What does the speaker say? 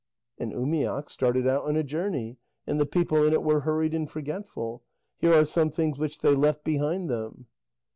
"An umiak started out on a journey, and the people in it were hurried and forgetful. Here are some things which they left behind them."